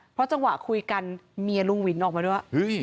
เพราะจังหวะคุยกันเมียลุงวินออกมาด้วย